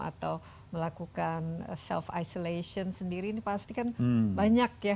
atau melakukan self isolation sendiri ini pasti kan banyak ya